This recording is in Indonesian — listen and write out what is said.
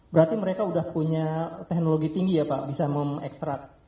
berarti mereka sudah punya teknologi tinggi ya pak bisa mengekstrak